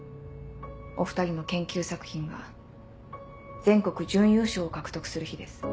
お２人の研究作品が全国準優勝を獲得する日です。